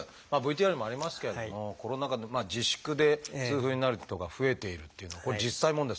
ＶＴＲにもありますけれどもコロナ禍の自粛で痛風になる人が増えているっていうの実際問題